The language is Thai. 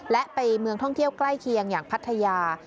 และไปเมืองท่องเที่ยวใกล้เคียงอย่างพัทยา